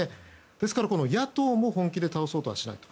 ですから、野党も本気で倒そうとはしないと。